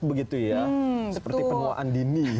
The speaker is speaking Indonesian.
begitu ya seperti penuaan dini